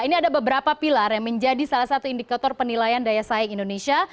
ini ada beberapa pilar yang menjadi salah satu indikator penilaian daya saing indonesia